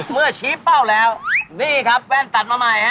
เมื่อชี้เป้าแล้วนี่ครับแว่นตัดมาใหม่ฮะ